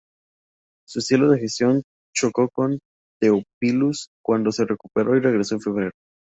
Su estilo de gestión chocó con Theophilus, cuando se recuperó y regresó en febrero.